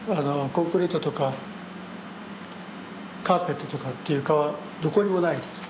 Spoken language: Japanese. コンクリートとかカーペットとかっていう床はどこにもない。